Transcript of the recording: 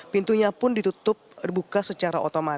pintunya pun ditutup dibuka secara otomatis